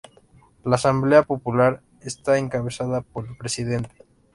La Asamblea Popular está encabezada por el presidente.